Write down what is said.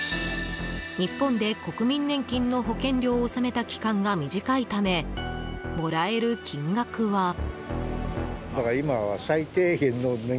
日本で国民年金の保険料を納めた期間が短いためもらえる金額は。